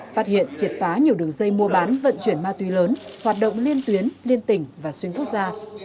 phát hiện triệt phá nhiều đường dây mua bán vận chuyển ma túy lớn hoạt động liên tuyến liên tỉnh và xuyên quốc gia